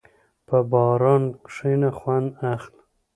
په باران کښېنه، خوند اخله.